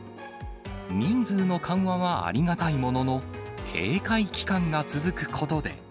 人数の緩和はありがたいものの、警戒期間が続くことで。